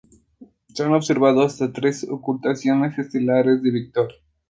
Se han observado hasta tres ocultaciones estelares de Victoria.